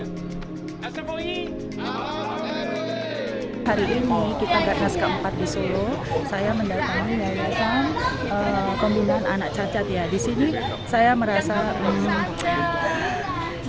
hari ini kita gatlas k empat di solo saya mendatangkan pembunuhan anak cacat